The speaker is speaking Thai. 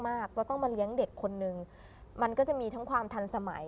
ก็ต้องมาเลี้ยงเด็กคนนึงมันก็จะมีทั้งความทันสมัย